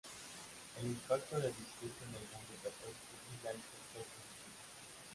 El impacto del discurso en el mundo católico y laico fue positivo.